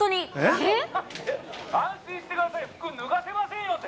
ちょっと待って、安心してください、服脱がせませんよって。